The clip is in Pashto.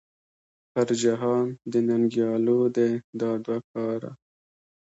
پر جهان د ننګیالو دې دا دوه کاره .